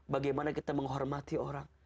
bagaimana kita menghormati orang